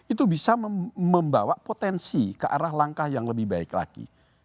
itu bisa membawa potensi ke arah langkah yang lebih baik lagi